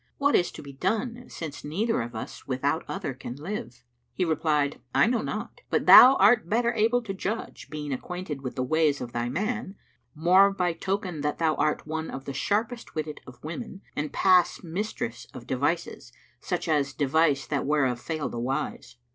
What is to be done, since neither of us without other can live?" He replied, "I know not; but thou art better able to judge, being acquainted with the ways of thy man, more by token that thou art one of the sharpest witted of women and past mistress of devices such as devise that whereof fail the wise."